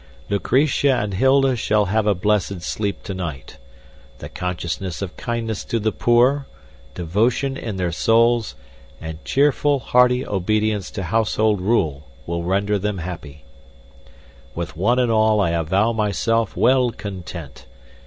"Lucretia and Hilda shall have a blessed sleep tonight. The consciousness of kindness to the poor, devotion in their souls, and cheerful, hearty obedience to household rule will render them happy. "With one and all I avow myself well content.